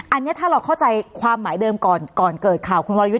อันนี้ถ้าเราเข้าใจความหมายเดิมก่อนก่อนเกิดข่าวคุณวรยุทธ์